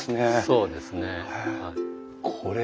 そうですね